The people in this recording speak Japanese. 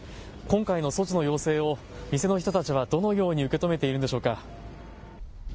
今回の措置の要請を店の人たちはどのように受け止めているんでしょうか。